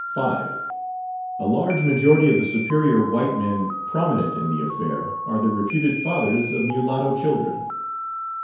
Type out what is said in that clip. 5. A large majority of the "superior" white men prominent in the affair are the reputed fathers of mulatto children.